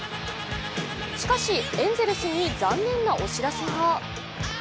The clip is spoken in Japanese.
しかし、エンゼルスに残念なお知らせが。